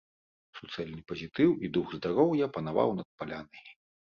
Суцэльны пазітыў і дух здароўя панаваў над палянай.